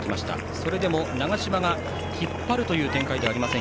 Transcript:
それでも長嶋が引っ張る展開ではありません。